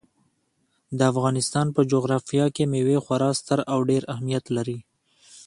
د افغانستان په جغرافیه کې مېوې خورا ستر او ډېر اهمیت لري.